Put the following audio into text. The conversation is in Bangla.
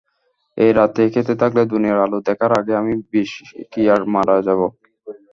এই রেটে খেতে থাকলে, দুনিয়ার আলো দেখার আগেই আমি বিষক্রিয়ায় মারা যাবো।